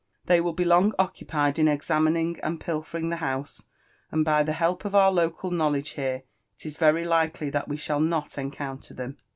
They >ull Le long occupied in examining and pilfering the house ; and, by the help of our local knowledge here, it is very likely that we shall not encounter them."